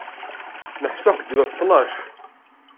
Neḥbes axeddim ɣef ttnac.